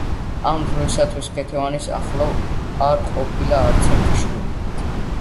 ამ დროისათვის ქეთევანის ახლოს არ ყოფილა არცერთი შვილი.